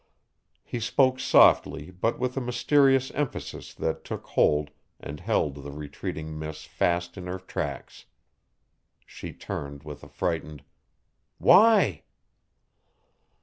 He spoke softly but with a mysterious emphasis that took hold and held the retreating miss fast in her tracks. She turned with a frightened: "Why?"